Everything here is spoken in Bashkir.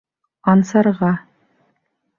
Ансарға.